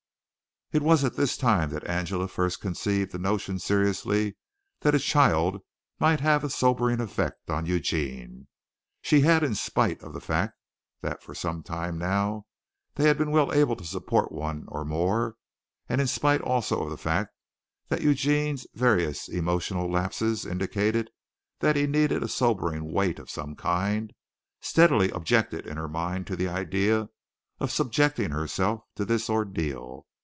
It was at this time that Angela first conceived the notion seriously that a child might have a sobering effect on Eugene. She had, in spite of the fact that for some time now they had been well able to support one or more, and in spite also of the fact that Eugene's various emotional lapses indicated that he needed a sobering weight of some kind, steadily objected in her mind to the idea of subjecting herself to this ordeal.